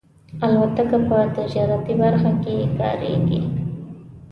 الوتکه په تجارتي برخه کې کارېږي.